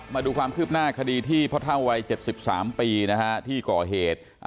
มาดูความคืบหน้าคดีที่พ่อเท่าวัย๗๓ปีนะฮะที่ก่อเหตุ